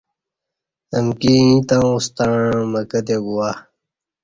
امکی ییں تاوں ستݩع مکہ تے گواہ